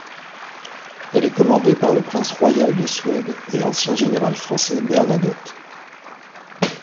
Elle est commandée par le prince royal de Suède et ancien général français Bernadotte.